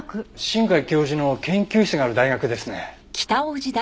新海教授の研究室がある大学ですね。